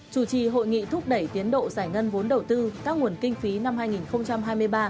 chủ trì hội nghị thúc đẩy tiến độ giải ngân vốn đầu tư các nguồn kinh phí năm hai nghìn hai mươi ba